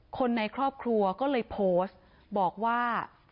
คนในครอบครัวก็เลยโพสต์บอกว่า